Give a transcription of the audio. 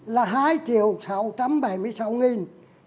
là hai triệu sáu trăm bảy mươi sáu nghìn